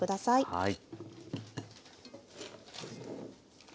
はい。